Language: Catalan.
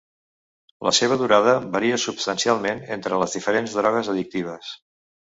La seva durada varia substancialment entre les diferents drogues addictives.